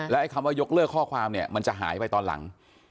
และคำว่ายกเลิกข้อความมันจะหายไปตอนหลัง